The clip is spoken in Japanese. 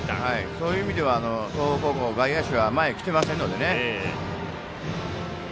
そういう意味では東邦高校は外野手は前、来てませんからね。